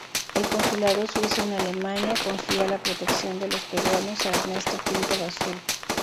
El consulado suizo en Alemania confía la protección de los peruanos a Ernesto Pinto-Bazurco.